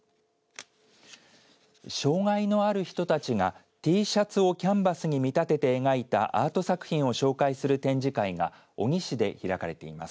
障害のある人たちがＴシャツをキャンバスに見立てて描いたアート作品を紹介する展示会が小城市で開かれています。